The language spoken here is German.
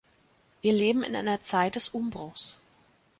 Wir leben in einer Zeit des Umbruchs.